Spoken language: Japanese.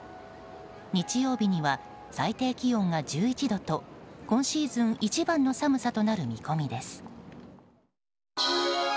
日曜日には最低気温が１１度と今シーズン一番の寒さとなる見込みです。